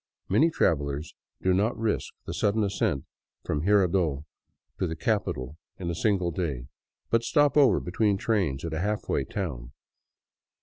Many travelers do not risk the sudden ascent from Jirardot to the capital in a single day, but stop over between trains at a halfway town.